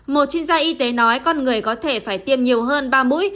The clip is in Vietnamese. một chuyên gia y tế nói con người có thể phải tiêm nhiều hơn ba mũi